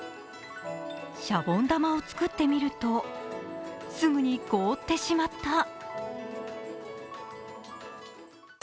シャボン玉を作ってみるとすぐに凍ってしまった。